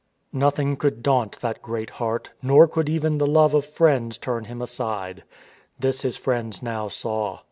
Nothing could daunt that great heart, nor could even the love of friends turn him aside. This his friends now saw.